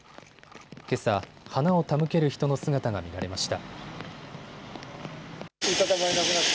けさ、花を手向ける人の姿が見られました。